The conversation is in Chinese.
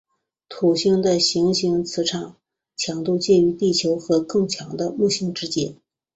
土星的行星磁场强度介于地球和更强的木星之间。